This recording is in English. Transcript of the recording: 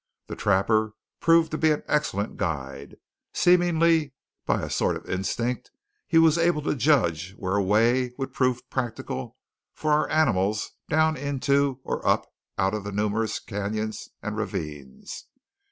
The trapper proved to be an excellent guide. Seemingly by a sort of instinct he was able to judge where a way would prove practicable for our animals down into or up out of the numerous cañons and ravines.